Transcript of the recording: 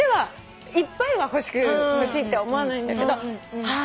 いっぱいは欲しいって思わないんだけどあー